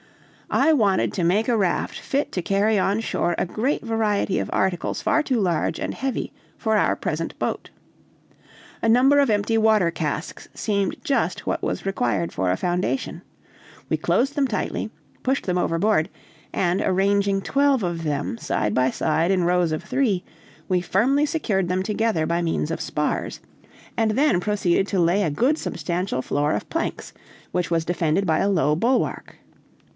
I wanted to make a raft fit to carry on shore a great variety of articles far too large and heavy for our present boat. A number of empty water casks seemed just what was required for a foundation; we closed them tightly, pushed them overboard, and arranging twelve of them side by side in rows of three, we firmly secured them together by means of spars, and then proceeded to lay a good substantial floor of planks, which was defended by a low bulwark.